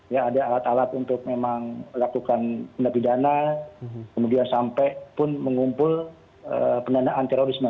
ya ada alat alat untuk memang melakukan pendapidana kemudian sampai pun mengumpul pendanaan terorisme